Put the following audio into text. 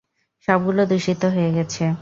সবগুলো দূষিত হয়ে গেছে!